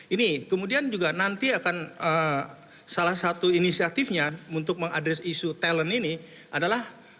ini kemudian juga nanti akan salah satu inisiatifnya untuk mengadres isu talent ini adalah